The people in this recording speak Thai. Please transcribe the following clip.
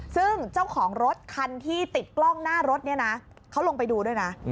ซึ่งเจ้าของรถคันที่ติดกล้องหน้ารถเนี่ยนะเขาลงไปดูด้วยนะ